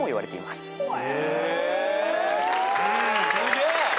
すげえ！